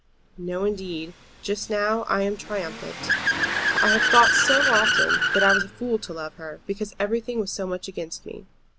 "No, indeed; just now I am triumphant. I have thought so often that I was a fool to love her, because everything was so much against me."